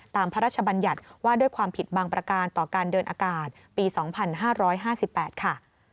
ตามพระราชบัญญัติว่าด้วยความผิดบังประการต่อการเดินอากาศปีสองพันห้าร้อยห้าสิบแปดค่ะ